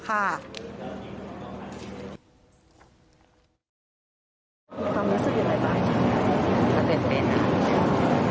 ความรู้สึกอะไรบ้างถ้าเป็นเป็น